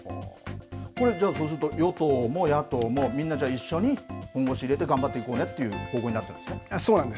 これじゃあ、そうすると与党も野党もみんな一緒に本腰入れて頑張って行こうねそうなんです。